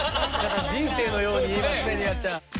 人生のように言いますね里奈ちゃん。